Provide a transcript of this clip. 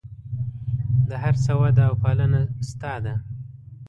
د هر څه وده او پالنه ستا ده.